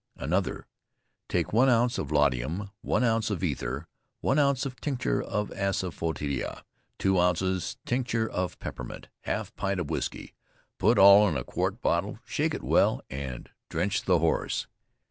ANOTHER. Take 1 ounce laudanum, 1 ounce of ether, 1 ounce of tincture of assafoetida, 2 ounces tincture of peppermint, half pint of whisky; put all in a quart bottle, shake it well and drench the horse.